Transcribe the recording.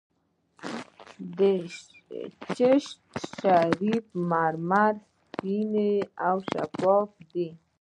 د چشت شریف مرمر سپین او شفاف دي.